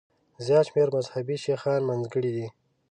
زیات شمېر مذهبي شیخان منځګړي دي.